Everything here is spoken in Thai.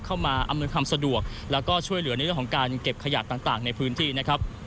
อำนวยความสะดวกแล้วก็ช่วยเหลือในเรื่องของการเก็บขยะต่างในพื้นที่นะครับ